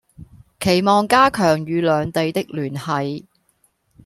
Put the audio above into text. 期望加強與兩地的聯繫